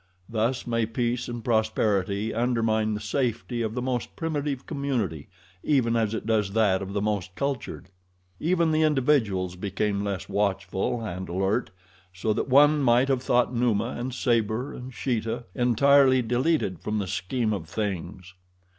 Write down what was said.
Thus may peace and prosperity undermine the safety of the most primitive community even as it does that of the most cultured. Even the individuals became less watchful and alert, so that one might have thought Numa and Sabor and Sheeta entirely deleted from the scheme of things.